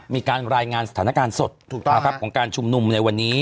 มีการรายงานสถานการณ์สดถูกต้องนะครับของการชุมหนุ่มในวันนี้